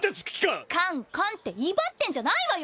官官って威張ってんじゃないわよ！